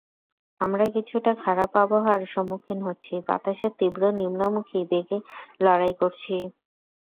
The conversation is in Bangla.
আমরা কিছুটা খারাপ আবহাওয়ার সম্মুখীন হচ্ছি, বাতাসের তীব্র নিম্নমুখী বেগে লড়াই করছি।